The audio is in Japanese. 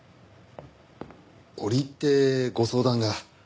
折り入ってご相談が。